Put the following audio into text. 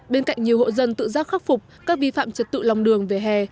bên cạnh nhiều hộ dân tự giác khắc phục các vi phạm trật tự lòng đường về hè